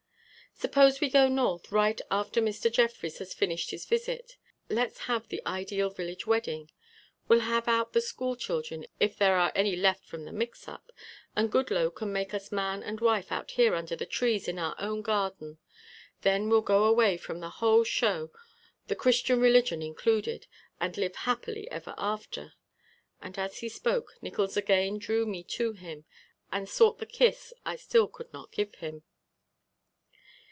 "Suppose we go north, right after Mr. Jeffries has finished his visit. Let's have the ideal village wedding. We'll have out the school children if any are left from the mix up, and Goodloe can make us man and wife out here under the trees in our own garden. Then we'll go away from the whole show, the Christian religion included, and live happy ever after." And as he spoke Nickols again drew me to him and sought the kiss I still could not give him.